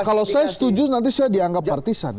kalau saya setuju nanti saya dianggap partisan